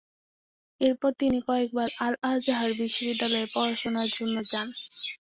এরপর তিনি কায়রোর আল-আজহার বিশ্ববিদ্যালয়ে পড়াশোনার জন্য যান।